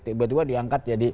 tiba tiba diangkat jadi